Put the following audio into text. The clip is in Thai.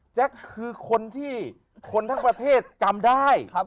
แจ๊คคือคนที่คนทั้งประเทศจำได้